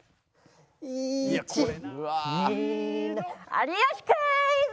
『有吉クイズ』！